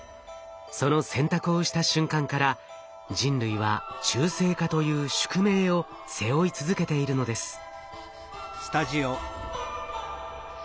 その選択をした瞬間から人類は中性化という宿命を背負い続けているのです。